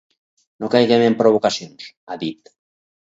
No caiguem en provocacions, ha dit.